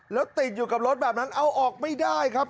แล้วติดอยู่กับรถแบบนั้นเอาออกไม่ได้ครับ